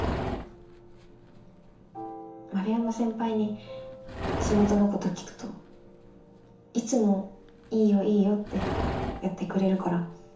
丸山先輩に仕事のこと聞くといつも「いいよいいよ」ってやってくれるから。